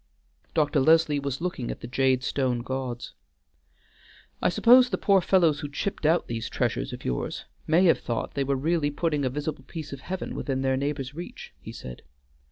Dr. Leslie was looking at the jade stone gods. "I suppose the poor fellows who chipped out these treasures of yours may have thought they were really putting a visible piece of Heaven within their neighbors' reach," he said.